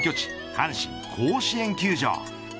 阪神、甲子園球場。